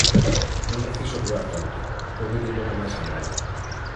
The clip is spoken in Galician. Non preciso apurar tanto, podo ir un pouco máis amodo.